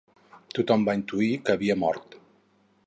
Tothom va intuir que havia mort.